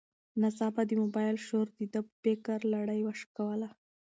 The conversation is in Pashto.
ناڅاپه د موبایل شور د ده د فکر لړۍ وشکوله.